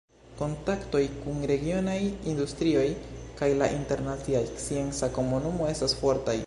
Kontaktoj kun regionaj industrioj kaj la internacia scienca komunumo estas fortaj.